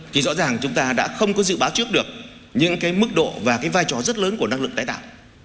thì rõ ràng chúng ta đã không có dự báo trước được những cái mức độ và cái vai trò rất lớn của năng lượng tái tạo